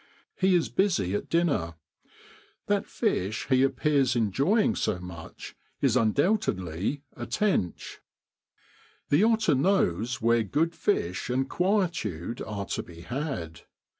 He is busy at dinner : that fish he appears enjoying so much is undoubtedly a tench. The otter knows where good fish and quietude are to be had.